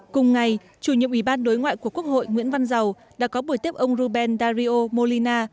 cùng ngày chủ nhiệm ủy ban đối ngoại của quốc hội nguyễn văn giàu đã có buổi tiếp ông ruben dario molina